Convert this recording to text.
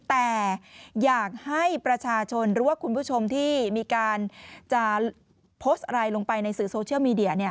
แต่อยากให้ประชาชนหรือว่าคุณผู้ชมที่มีการจะโพสต์อะไรลงไปในสื่อโซเชียลมีเดีย